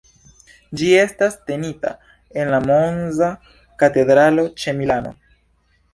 Ĝi estas tenita en la Monza Katedralo, ĉe Milano.